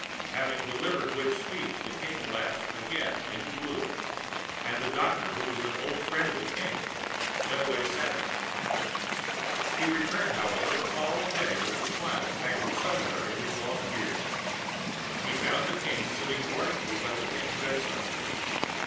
Having delivered which speech the King lapsed again into gloom, and the doctor who was an old friend of the King's went away sadly. He returned, however, the following day with a smile tangled somewhere in his long beard. He found the King sitting mournfully by the Queen's bedside.